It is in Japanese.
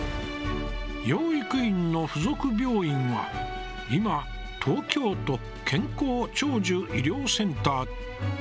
養育院の附属病院は今、東京都健康長寿医療センター。